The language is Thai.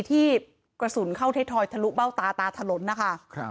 ที่กระสุนเข้าไทยทอยทะลุเบ้าตาตาถลนนะคะ